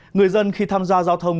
người dân khi tham gia giao thông